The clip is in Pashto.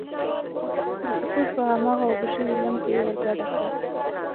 د پسه په هماغه اوبه شوي لم کې یې ور ګډه کړه.